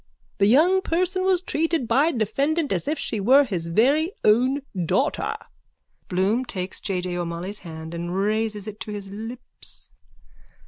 The young person was treated by defendant as if she were his very own daughter. _(Bloom takes J. J. O'Molloy's hand and raises it to his lips.)